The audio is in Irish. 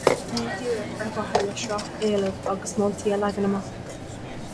Ní díreach ar mhaithe le sraith éileamh agus moltaí a leagan amach.